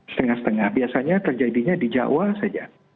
setengah setengah biasanya terjadinya di jawa saja